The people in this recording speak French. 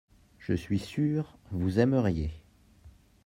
je suis sûr vous aimeriez.